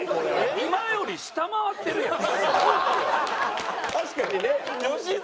今より下回ってるよな。